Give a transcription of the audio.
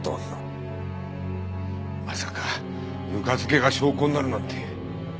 まさかぬか漬けが証拠になるなんて。